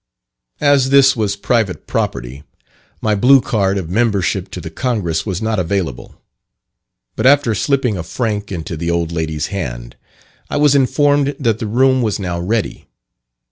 As this was private property, my blue card of membership to the Congress was not available. But after slipping a franc into the old lady's hand, I was informed that the room was now ready.